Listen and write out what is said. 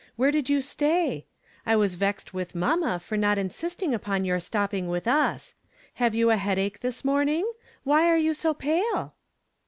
V/here did you stay? I was vexed with mannna for not in sisting upon your stopping with us. Have you a headache this morning? Why are you so pale